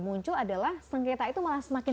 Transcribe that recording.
muncul adalah sengketa itu malah semakin